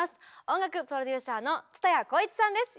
音楽プロデューサーの蔦谷好位置さんです。